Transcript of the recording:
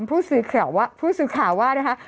ผู้สื่อข่าวว่านะคะ